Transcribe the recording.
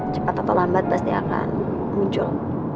cepat atau lambat pasti akan muncul